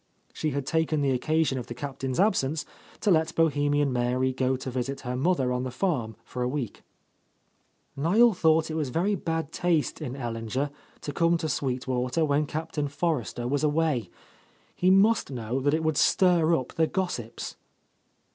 She had taken the occasion of the Captain's absence to let Bohemian Mary go to visit her mother on the farm for a week. Niel thought it very bad taste in Ellinger to come to Sweet Water when Captain Forrester was away. He must know that it would stir up the gossips.